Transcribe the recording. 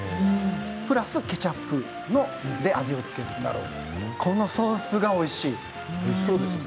プラスケチャップで味を付けるこのソースがおいしい。